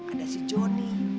ada si joni